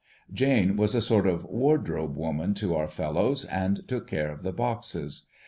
Jane was a sort of wardrobe woman to our fellows, and took care of the boxes.